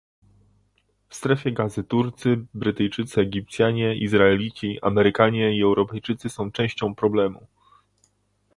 W Strefie Gazy Turcy, Brytyjczycy, Egipcjanie, Izraelici, Amerykanie i Europejczycy są częścią problemu